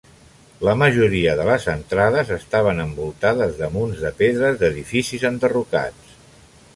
La majoria de les entrades estaven envoltades de munts de pedres d'edificis enderrocats.